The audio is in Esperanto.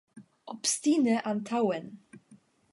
Obstine antaŭen!